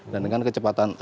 dan dengan kecepatan